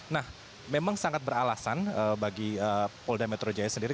nah memang sangat beralasan bagi polda metro jaya sendiri